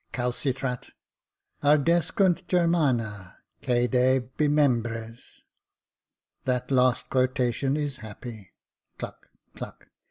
" Cal citrat. Ardescimt germana cade himembres, that last quotation is happy," [cluck, cluck].